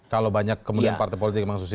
kalau banyak kemudian partai politik memang susun